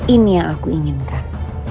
ini yang aku inginkan